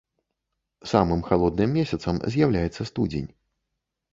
Самым халодным месяцам з'яўляецца студзень.